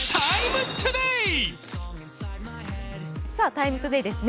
「ＴＩＭＥ，ＴＯＤＡＹ」です。